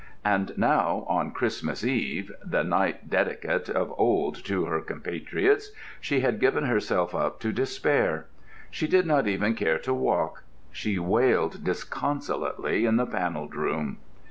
And now, on Christmas Eve, the night dedicate of old to her compatriots, she had given herself up to despair. She did not even care to walk. She wailed disconsolately in the Panelled Room.